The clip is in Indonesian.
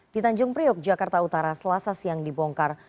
di tanjung priok jakarta utara selasa siang dibongkar